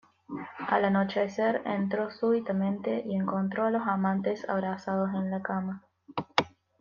Al anochecer entró súbitamente y encontró a los amantes abrazados en la cama.